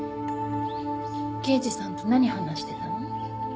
刑事さんと何話してたの？